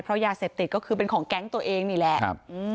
เพราะยาเสพติดก็คือเป็นของแก๊งตัวเองนี่แหละ